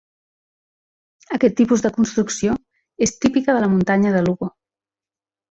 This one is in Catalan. Aquest tipus de construcció és típica de la muntanya de Lugo.